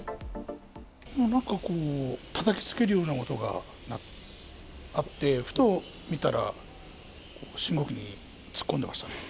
なんかこう、たたきつけるような音があって、ふと見たら、信号機に突っ込んでましたね。